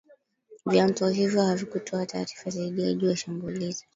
Vyanzo hivyo havikutoa taarifa zaidi juu ya shambulizi